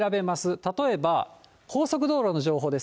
例えば、高速道路の情報です。